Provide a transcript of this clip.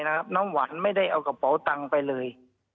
น้ำหวานไม่ได้เอากระเป๋าตังค์ไปเลย